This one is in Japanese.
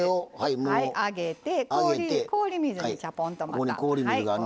あげて、氷水にちゃぽんと。